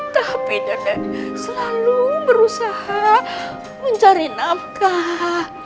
tapi nenek selalu berusaha mencari nafkah